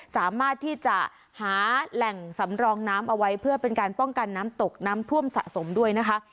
สามารถที่จะหาแหล่งสำรองน้ำเอาไว้เพื่อเป็นการป้องกันน้ำตกน้ำท่วมสะสมด้วยนะคะ